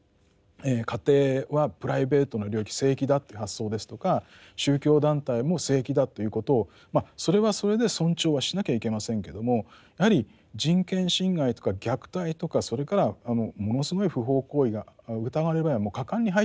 家庭はプライベートな領域聖域だっていう発想ですとか宗教団体も聖域だということをまあそれはそれで尊重はしなきゃいけませんけどもやはり人権侵害とか虐待とかそれからものすごい不法行為が疑われる場合はもう果敢に入っていく。